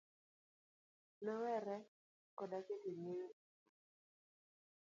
Nowere koda keto nyiego e chunye